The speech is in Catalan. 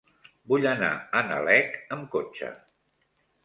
Vull anar a Nalec amb cotxe.